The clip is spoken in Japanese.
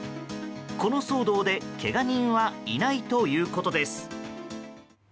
この騒動でけが人はいないということです。